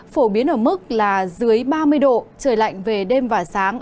phổ biến ở mức là dưới ba mươi độ trời lạnh về đêm và sáng